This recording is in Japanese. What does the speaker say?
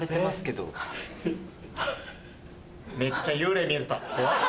めっちゃ幽霊見えてた怖っ。